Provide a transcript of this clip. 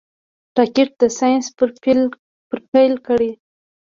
راکټ د ساینس پېر پيل کړ